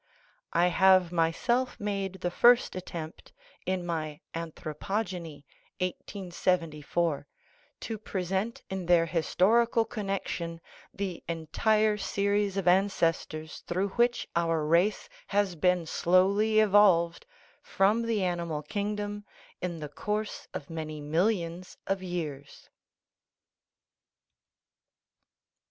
I have myself made the first attempt, in my Anthro pogeny (1874), to present in their historical connection the entire series of ancestors through which our race has been slowly evolved from the animal kingdom in the course of many millions of years.